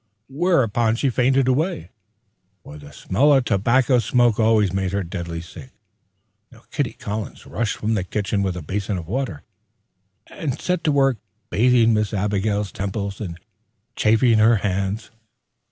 Whereupon she fainted away; for the smell of tobacco smoke always made her deadly sick. Kitty Collins rushed from the kitchen with a basin of water, and set to work bathing Miss Abigail's temples and chafing her hands.